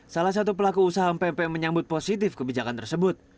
salah satu pelaku usaha mp menyambut positif kebijakan tersebut